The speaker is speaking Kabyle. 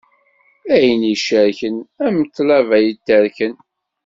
Ayen icerken, am tlaba iterken.